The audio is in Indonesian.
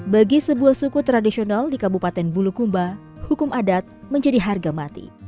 bagi sebuah suku tradisional di kabupaten bulukumba hukum adat menjadi harga mati